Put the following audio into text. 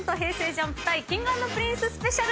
ＪＵＭＰＶＳＫｉｎｇ＆Ｐｒｉｎｃｅスペシャルでした。